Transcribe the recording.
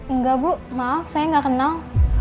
enggak bu maaf saya nggak kenal